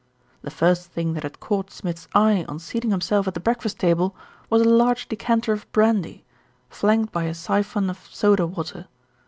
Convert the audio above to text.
The first thing that had caught Smith's eye on seat ing himself at the breakfast table was a large decanter of brandy, flanked by a syphon of soda water.